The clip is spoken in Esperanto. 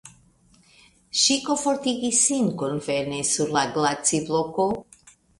Ŝi komfortigis sin konvene sur la glacibloko.